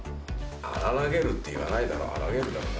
「荒らげる」って言わないだろ「荒げる」だろ。